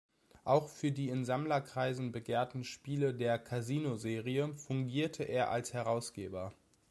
Auch für die in Sammlerkreisen begehrten Spiele der "Casino-Serie" fungierte er als Herausgeber.